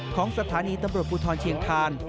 ของสถานีตำรวจภูทรเชียงคาน